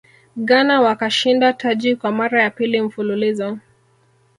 ghana wakashinda taji kwa mara ya pili mfululizo